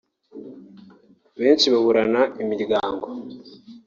benshi baburana n’imiryango